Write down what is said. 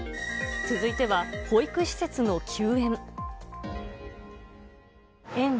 続いては、保育施設の休園。